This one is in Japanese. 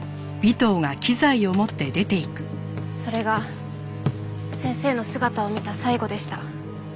それが先生の姿を見た最後でした。